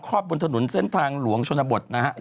อดบนถนนเส้นทางหลวงชนบทนะครับ